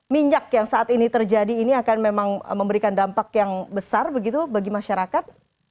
minyak yang saat ini terjadi ini akan memang memberikan dampak yang besar begitu bagi masyarakat